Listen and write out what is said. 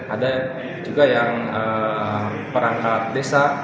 ada juga yang perangkat desa